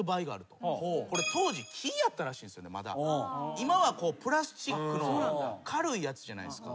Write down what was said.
今はプラスチックの軽いやつじゃないですか。